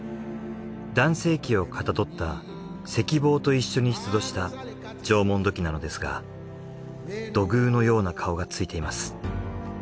男性器をかたどった石棒と一緒に出土した縄文土器なのですが土偶のような顔がついています。